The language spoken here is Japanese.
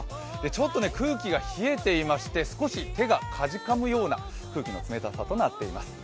ちょっと空気が冷えていまして手がかじかむような空気の冷たさとなっています。